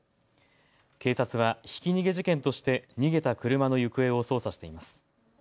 警察はひき逃げ事件として逃げた車の行方を捜査しています。